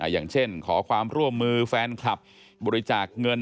อย่างเช่นขอความร่วมมือแฟนคลับบริจาคเงิน